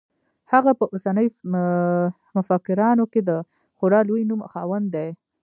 هغه په اوسنیو مفکرانو کې د خورا لوی نوم خاوند دی.